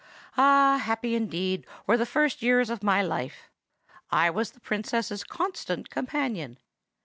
Ah! happy, indeed, were the first years of my life! I was the Princess's constant companion.